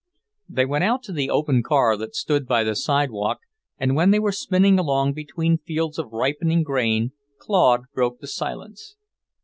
They went out to the open car that stood by the sidewalk, and when they were spinning along between fields of ripening grain Claude broke the silence.